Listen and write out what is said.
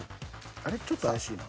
［あれっちょっと怪しいな］